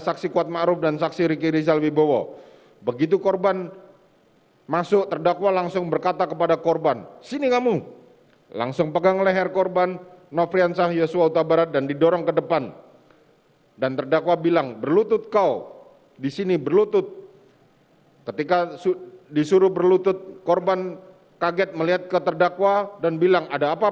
saksi mengatakan belum terdakwa mengatakan diisi dulu kemudian baru dikokang